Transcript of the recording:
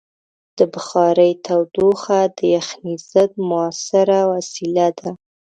د بخارۍ تودوخه د یخنۍ ضد مؤثره وسیله ده.